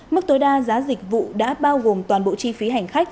mức tối đa giá dịch vụ đã bao gồm toàn bộ chi phí hành khách